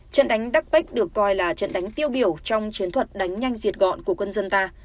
trận đánh đa pech được coi là trận đánh tiêu biểu trong chiến thuật đánh nhanh diệt gọn của quân dân ta